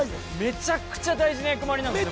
めちゃくちゃ大事な役回りなんですね